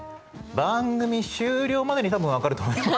番組終了までに多分分かると思います。